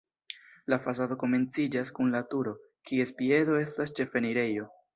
La fasado komenciĝas kun la turo, kies piedo estas la ĉefenirejo.